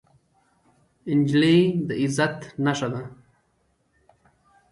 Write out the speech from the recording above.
نجلۍ د عزت نښه ده.